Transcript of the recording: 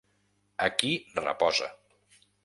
Aquí reposa.